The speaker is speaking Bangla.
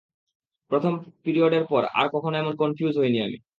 প্রথম পরিয়ডের পর আর কখনো এমন কনফিউজ হইনি আমি।